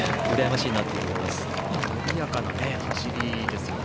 伸びやかな走りですよね。